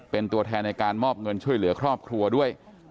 เป็นตัวแทนในการมอบเงินช่วยเหลือครอบครัวด้วย